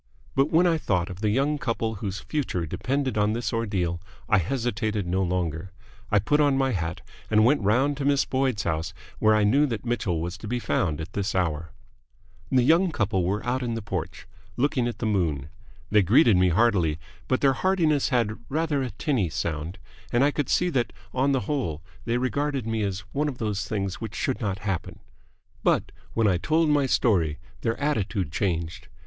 But when I thought of the young couple whose future depended on this ordeal, I hesitated no longer. I put on my hat and went round to Miss Boyd's house, where I knew that Mitchell was to be found at this hour. The young couple were out in the porch, looking at the moon. They greeted me heartily, but their heartiness had rather a tinny sound, and I could see that on the whole they regarded me as one of those things which should not happen. But when I told my story their attitude changed.